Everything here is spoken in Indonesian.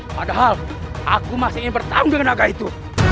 padahal aku masih bertanggung dengan agak itu